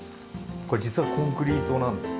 これ実はコンクリートなんです。